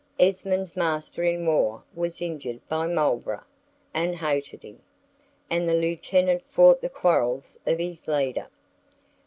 Esmond's master in war was injured by Marlborough, and hated him: and the lieutenant fought the quarrels of his leader.